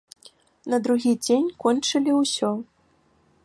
На другі дзень кончылі ўсё.